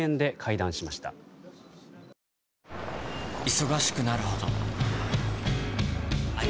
忙しくなるほどはい！